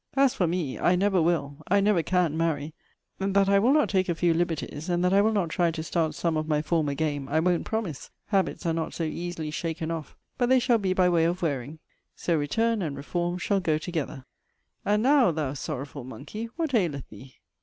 'As for me, I never will, I never can, marry that I will not take a few liberties, and that I will not try to start some of my former game, I won't promise habits are not so easily shaken off but they shall be by way of wearing. So return and reform shall go together. 'And now, thou sorrowful monkey, what aileth thee?'